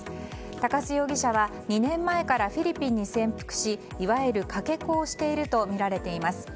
鷹巣容疑者は２年前からフィリピンに潜伏しいわゆる、かけ子をしているとみられています。